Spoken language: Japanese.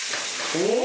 お！